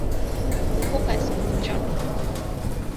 Focus, Gunjan!